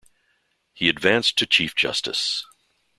He advanced to Chief Justice.